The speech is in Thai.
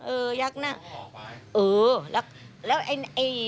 เออยักษ์น่ะเออแล้วไอเธอมาอ่าน